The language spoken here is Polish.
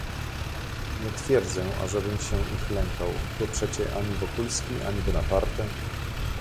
"Nie twierdzę, ażebym się ich lękał, bo przecie ani Wokulski, ani Bonaparte..."